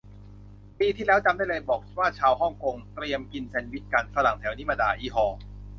ปีที่แล้วจำได้เลย บอกว่าชาวฮ่องกงเตรียมกินแซนด์วิชกัน ฝรั่งแถวนี้มาด่า อิห่อ